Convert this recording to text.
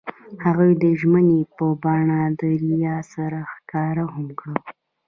هغوی د ژمنې په بڼه دریا سره ښکاره هم کړه.